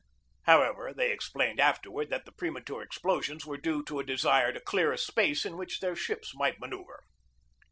However, they explained afterward that the pre mature explosions were due to a desire to clear a space in which their ships might manoeuvre.